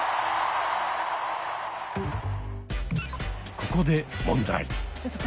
ここで問題。